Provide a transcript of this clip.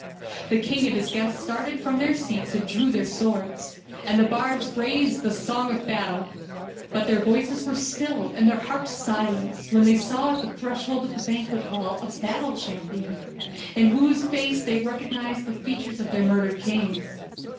The king and his guests started from their seats and drew their swords, and the bards raised the song of battle; but their voices were stilled and their harps silenced when they saw at the threshold of the banquet hall a battle champion, in whose face they recognized the features of their murdered king.